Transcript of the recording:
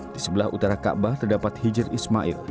di sebelah utara kaabah terdapat hijir ismail